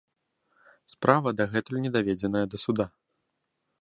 Справа дагэтуль не даведзеная да суда.